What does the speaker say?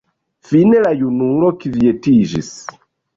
Fine la junulo kvietiĝis.